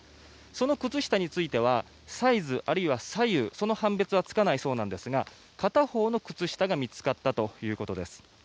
その靴下についてはサイズ、左右の判別はつかないそうですが片方の靴下が見つかったということです。